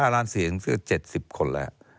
๕ล้านเสียงซึ่ง๗๐คนแล้ว